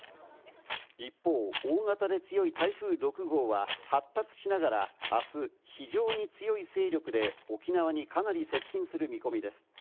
一方、大型で強い台風６号は発達しながら、あす非常に強い勢力で沖縄にかなり接近する見込みです。